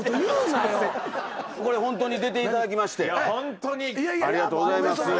ホントに出ていただきましてありがとうございます。